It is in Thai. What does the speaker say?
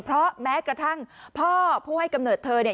เพราะแม้กระทั่งพ่อผู้ให้กำเนิดเธอเนี่ย